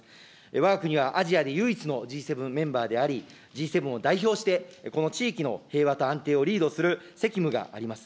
わが国はアジアで唯一のＧ７メンバーであり、Ｇ７を代表してこの地域の平和と安定をリードする責務があります。